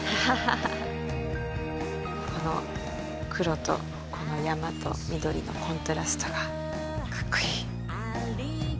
この黒とこの山と緑のコントラストがカッコイイ。